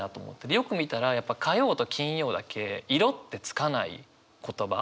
でよく見たらやっぱ火曜と金曜だけ「色」ってつかない言葉。